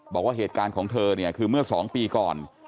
บอกว่าเหตุการณ์ของเธอเนี่ยคือเมื่อ๒ปีก่อน